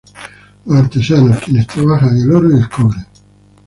Los Artesanos: Quienes trabajaban el Oro y el Cobre.